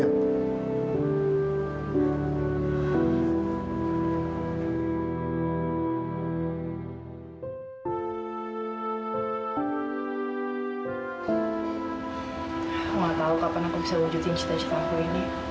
aku nggak tahu kapan aku bisa wujudin cita citaku ini